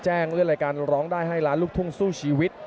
เลื่อนรายการร้องได้ให้ล้านลูกทุ่งสู้ชีวิต